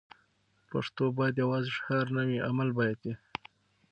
پښتو باید یوازې شعار نه وي؛ عمل باید وي.